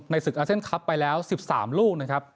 ในศึกอาเซ็นทรัพย์ไปแล้ว๑๓ลูกนะครับ